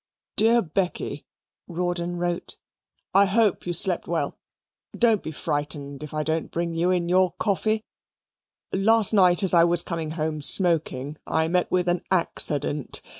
DEAR BECKY, (Rawdon wrote) I HOPE YOU SLEPT WELL. Don't be FRIGHTENED if I don't bring you in your COFFY. Last night as I was coming home smoaking, I met with an ACCADENT.